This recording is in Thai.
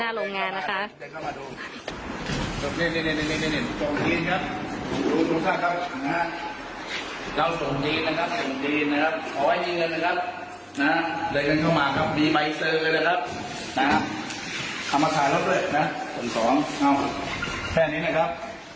เอามาขายรถด้วยนะส่งของเอามาแค่นี้นะครับ